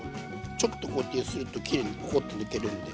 ちょっとこうやって揺するときれいにポコッと抜けるんで。